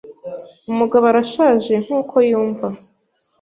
Umugabo arashaje nkuko yumva.